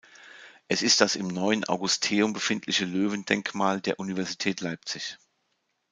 Es ist das im Neuen Augusteum befindliche Löwendenkmal der Universität Leipzig.